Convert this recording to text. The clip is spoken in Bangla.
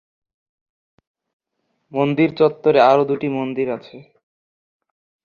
মন্দির চত্বরে আরও দুটি মন্দির আছে।